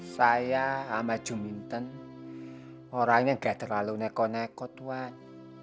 saya sama juminten orangnya tidak terlalu neko neko tuan